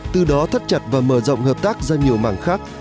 từ đó thắt chặt và mở rộng hợp tác ra nhiều mảng khác